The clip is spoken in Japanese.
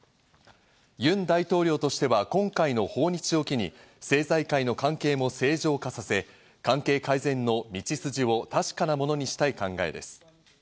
ユン大統領としては今回の訪日を機に、政財界の関係も正常化させ、関係改善の道筋を確かなものにしたい考えです。